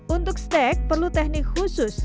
untuk stek perlu teknik khusus